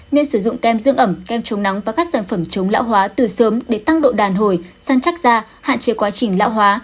nên sử dụng kem dưỡng ẩm kem chống nắng và các sản phẩm chống lão hóa từ sớm để tăng độ đàn hồi sang chắc da hạn chế quá trình lão hóa